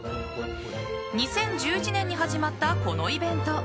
２０１１年に始まったこのイベント。